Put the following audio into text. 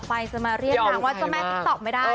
ใครจะมาเรียกนางว่าเจ้าแม่ติ๊กต๊อกไม่ได้